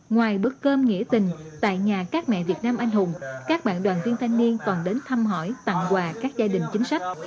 ngoài bữa cơm nghĩa tình tại nhà các mẹ việt nam anh hùng các bạn đoàn viên thanh niên còn đến thăm hỏi tặng quà các gia đình chính sách